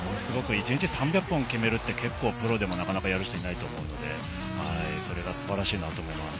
一日３００本決めるって結構プロでもなかなかやる人いないと思うので、素晴らしいなと思います。